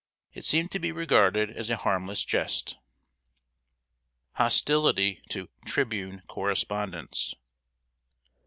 It seemed to be regarded as a harmless jest. [Sidenote: HOSTILITY TO "TRIBUNE" CORRESPONDENTS.